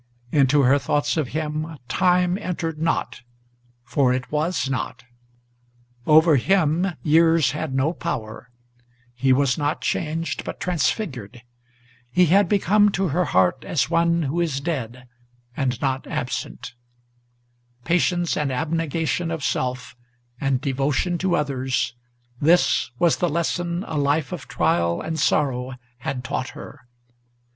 Into her thoughts of him time entered not, for it was not. Over him years had no power; he was not changed, but transfigured; He had become to her heart as one who is dead, and not absent; Patience and abnegation of self, and devotion to others, This was the lesson a life of trial and sorrow had taught her.